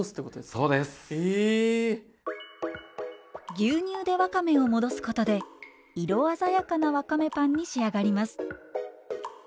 牛乳でわかめを戻すことで色鮮やかなわかめパンに仕上がります。